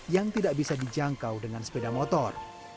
yang tidak bisa dijangkau dengan sepeda motor